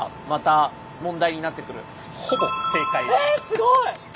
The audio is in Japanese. すごい！